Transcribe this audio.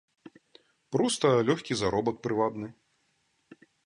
Проста лёгкі заробак прывабны.